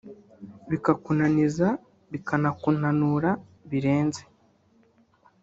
bikakunaniza bikanakunanura birenze